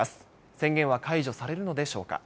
宣言は解除されるのでしょうか。